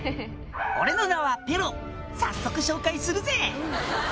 「俺の名はペロ早速紹介するぜ！」